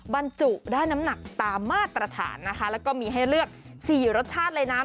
บรรจุได้น้ำหนักตามมาตรฐานนะคะแล้วก็มีให้เลือก๔รสชาติเลยนะ